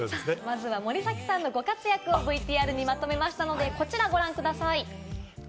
まずは森崎さんのご活躍をＶＴＲにまとめましたので、こちらをご覧ください。